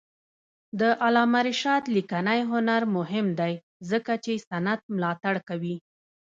د علامه رشاد لیکنی هنر مهم دی ځکه چې سند ملاتړ کوي.